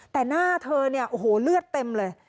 แต่หน้าเธอเนี่ยโอ้โหเลือดเต็มเลย